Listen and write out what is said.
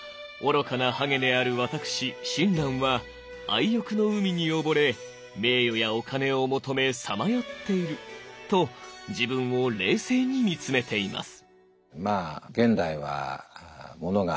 愚かなハゲである私親鸞は愛欲の海に溺れ名誉やお金を求めさまよっている」と自分を冷静に見つめています。